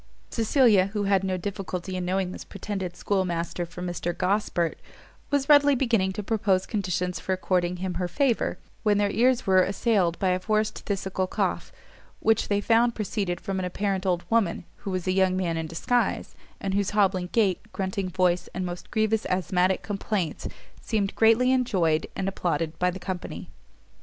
Cecilia, who had no difficulty in knowing this pretended schoolmaster for Mr Gosport, was readily beginning to propose conditions for according him her favour, when their ears were assailed by a forced phthisical cough, which they found proceeded from an apparent old woman, who was a young man in disguise, and whose hobbling gait, grunting voice, and most grievous asthmatic complaints, seemed greatly enjoyed and applauded by the company.